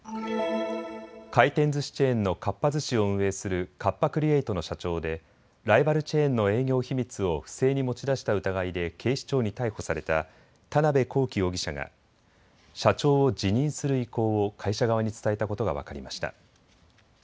回転ずしチェーンのかっぱ寿司を運営するカッパ・クリエイトの社長でライバルチェーンの営業秘密を不正に持ち出した疑いで警視庁に逮捕された田邊公己容疑者が、社長を辞任する意向を会社側に伝えたことが分かりました。